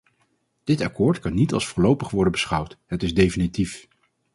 Dit akkoord kan niet als voorlopig worden beschouwd: het is definitief.